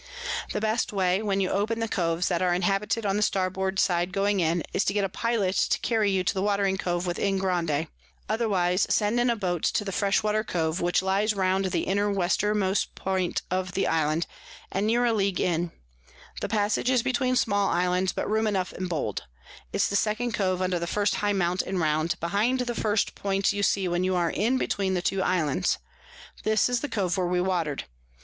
The best way, when you open the Coves that are inhabited on the Starboard side going in, is to get a Pilot to carry you to the watering Cove within Grande; otherwise send in a Boat to the fresh water Cove, which lies round the inner Westermost Point of the Island, and near a League in: the Passage is between small Islands, but room enough and bold; it's the second Cove under the first high Mount and round, behind the first Point you see when you are in between the two Islands. This is the Cove where we water'd.